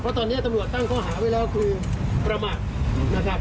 เพราะตอนนี้ตำรวจตั้งข้อหาไว้แล้วคือประมาทนะครับ